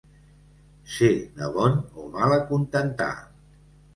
Ser de bon o mal acontentar.